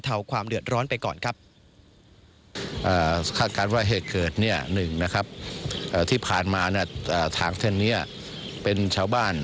แทนนี้เป็นชาวบ้าน